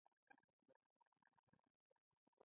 اخیستل شوې برخه ډېر ژر ترمیمېږي.